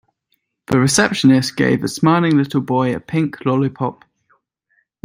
The receptionist gave the smiling little boy a pink lollipop.